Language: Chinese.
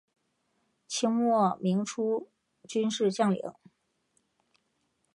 清末民初军事将领。